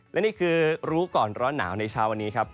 และนี่คือรู้ก่อนร้อนหนาวในเช้าวันนี้ครับ